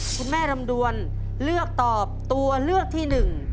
คุณแม่ลำดวนเลือกตอบตัวเลือกที่หนึ่ง